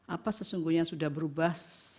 apa sesungguhnya sudah berubah